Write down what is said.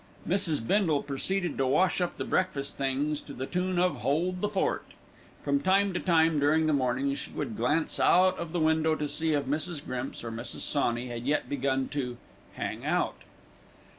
Mrs. Bindle proceeded to wash up the breakfast things to the tune of "Hold the Fort." From time to time during the morning, she would glance out of the window to see if Mrs. Grimps, or Mrs. Sawney had yet begun to "hang out".